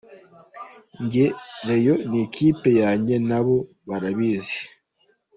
Njye Rayon ni ikipe yanjye nabo barabizi.